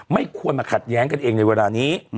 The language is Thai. ไม่ควรมาขัดแย้งกันเองในเวลานี้